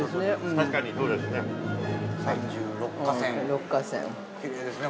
◆確かにそうですね。